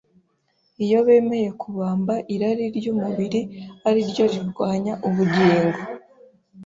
Iyo bemeye kubamba irari ry’umubiri ari ryo rirwanya ubugingo,